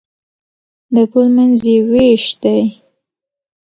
د پل منځ یې وېش دی.